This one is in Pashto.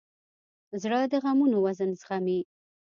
زړه د غمونو وزن زغمي.